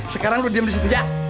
sekarang lu diam di situ ya